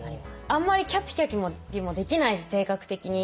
あんまりキャピキャピもできないし性格的に。